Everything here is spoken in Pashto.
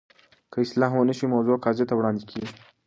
که اصلاح ونه شي، موضوع قاضي ته وړاندي کیږي.